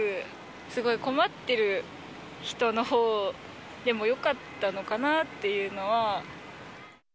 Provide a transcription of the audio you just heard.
すごい困ってる人のほうでもよかったのかなぁっていうのは。